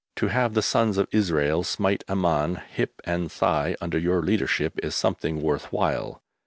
To have the sons of Israel smite Ammon "hip and thigh" under your leadership is something worth while.